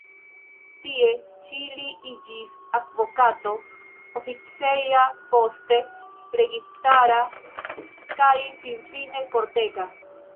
Tie ĉi li iĝis advokato oficeja, poste registara kaj finfine kortega.